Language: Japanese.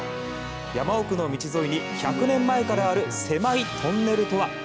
山奥の道沿いに１００年前からある狭いトンネルとは？